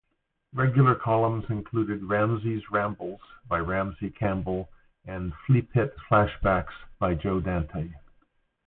Regular columns included "Ramsey's Rambles" by Ramsey Campbell and "Fleapit Flashbacks" by Joe Dante.